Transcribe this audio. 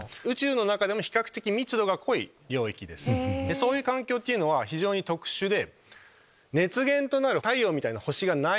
そういう環境っていうのは非常に特殊で。